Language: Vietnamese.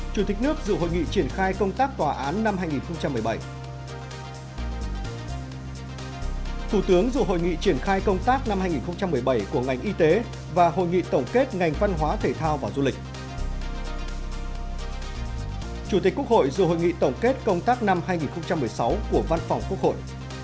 chủ tịch quốc hội dù hội nghị tổng kết công tác năm hai nghìn một mươi sáu của văn phòng quốc hội